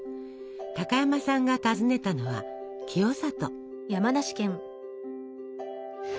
高山さんが訪ねたのは清里。